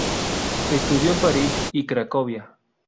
Estudió en París y Cracovia.